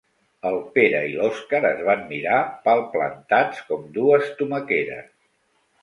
El Pere i l'Oskar es van mirar, palplantats com dues tomaqueres.